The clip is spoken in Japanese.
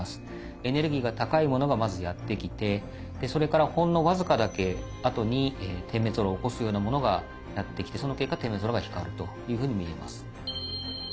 エネルギーが高いものがまずやって来てそれからほんの僅かだけあとに点滅オーロラを起こすようなものがやって来てその結果点滅オーロラが光るというふうに見えます。